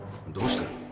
どうした？